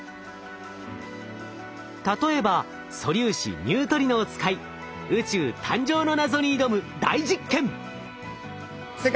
例えば素粒子ニュートリノを使い宇宙誕生の謎に挑む大実験。